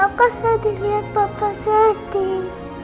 aku sedih lihat bapak sedih